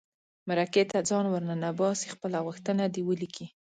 مرکې ته ځان ور ننباسي خپله غوښتنه دې ولیکي.